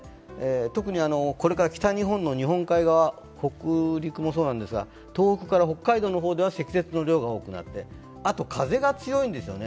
特にこれから北日本の日本海側、北陸もそうなんですが、東北から北海道では積雪の量が多くなって、あと風が強いんですよね。